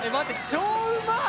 超うまい！